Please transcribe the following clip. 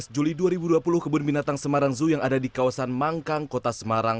dua belas juli dua ribu dua puluh kebun binatang semarang zoo yang ada di kawasan mangkang kota semarang